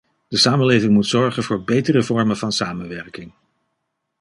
De samenleving moet zorgen voor betere vormen van samenwerking.